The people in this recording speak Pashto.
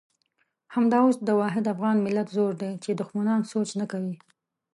همدا اوس د واحد افغان ملت زور دی چې دښمنان سوچ نه کوي.